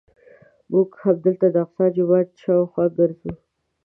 موږ همدلته د الاقصی جومات شاوخوا ګرځو.